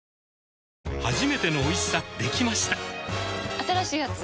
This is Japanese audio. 新しいやつ？